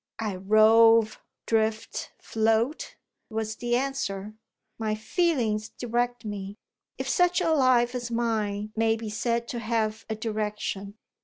"I rove, drift, float," was the answer; "my feelings direct me if such a life as mine may be said to have a direction.